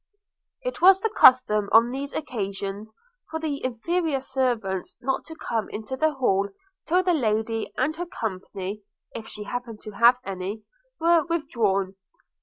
It was the custom on these occasions for the inferior servants not to come into the hall till the Lady and her company, if she happened to have any, were withdrawn.